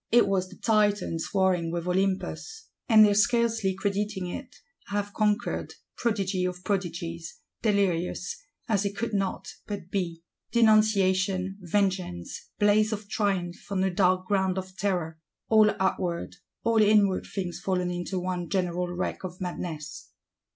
It was the Titans warring with Olympus; and they scarcely crediting it, have conquered: prodigy of prodigies; delirious,—as it could not but be. Denunciation, vengeance; blaze of triumph on a dark ground of terror: all outward, all inward things fallen into one general wreck of madness!